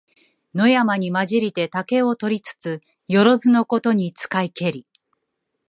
野山にまじりて竹を取りつ、よろづのことに使いけり。